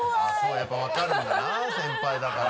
やっぱ分かるんだな先輩だから。